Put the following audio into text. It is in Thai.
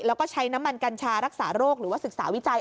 แล้วก็ใช้น้ำมันกัญชารักษาโรคหรือว่าศึกษาวิจัย